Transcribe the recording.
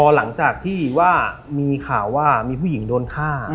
หลังจากที่ว่ามีข่าวว่ามีผู้หญิงโดนฆ่า